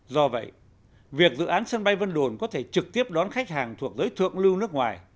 do vậy việc dự án sân bay vân đồn có thể trực tiếp đón khách hàng thuộc giới thượng lưu nước ngoài